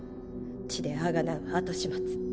血であがなう後始末。